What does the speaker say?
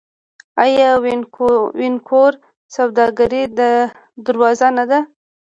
آیا وینکوور د سوداګرۍ دروازه نه ده؟